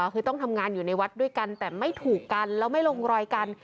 คือต้องทำงานอยู่ในวัดด้วยกันแต่ไม่ถูกกันแล้วไม่ลงรอยกัน